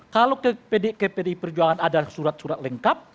kalau kpd perjuangan ada surat surat lengkap